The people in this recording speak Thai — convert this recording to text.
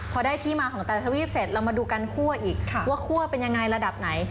พอได้ที่มาของแต่ละทวีปเสร็จเรามาดูกันคั่วอีกว่าคั่วเป็นยังไงระดับไหน